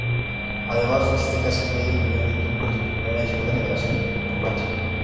Además existe casi medio millón de turcos de primera y segunda generación en Francia.